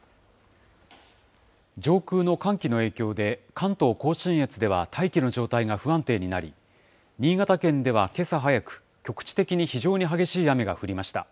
上空の寒気の影響で、関東甲信越では、大気の状態が不安定になり、新潟県ではけさ早く、局地的に非常に激しい雨が降りました。